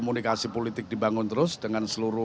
buat sohbet yang viktor stay dulu